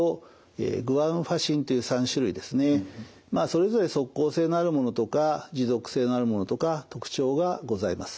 まあそれぞれ即効性のあるものとか持続性のあるものとか特徴がございます。